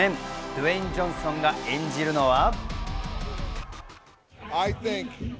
ドウェイン・ジョンソンが演じるのは。